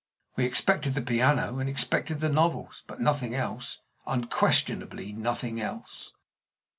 We expected the piano and expected the novels, but nothing else unquestionably nothing else.